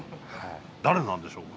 誰なんでしょうか？